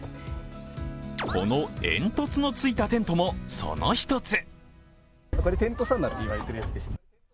この煙突のついたテントも、その一つ。